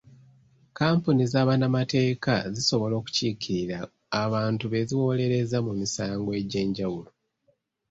Kkampuni za bannamateeka zisobola okukiikirira abantu be ziwolereza mu misango egy'enjawulo.